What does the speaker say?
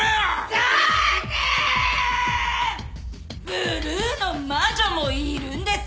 ブルーの魔女もいるんです！